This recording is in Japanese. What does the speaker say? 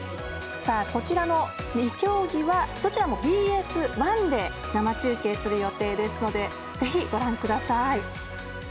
こちらの２競技はどちらもＢＳ１で生中継する予定ですのでぜひご覧ください。